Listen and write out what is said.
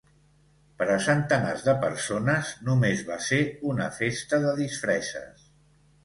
Per a centenars de persones només va ser una festa de disfresses.